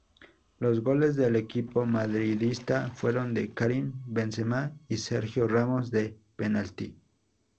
Los goles del equipo madridista fueron de Karim Benzema y Sergio Ramos, de penalti.